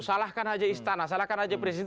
salahkan aja istana salahkan aja presiden